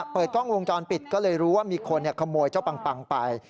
เปิดกล้องวงจรปิดก็เลยรู้ว่ามีคนขโมยเจ้าปังไป